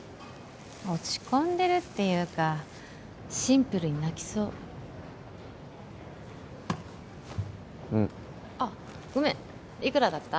落ち込んでるっていうかシンプルに泣きそうんあっごめんいくらだった？